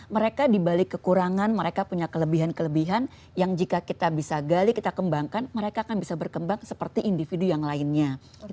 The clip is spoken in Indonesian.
mereka dibalik kekurangan mereka punya kelebihan kelebihan yang jika kita bisa gali kita kembangkan mereka akan bisa berkembang seperti individu yang lainnya